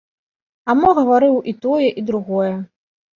А мо гаварыў і тое і другое.